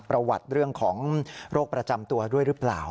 ประวัติเรื่องของโรคประจำตัวด้วยหรือเปล่า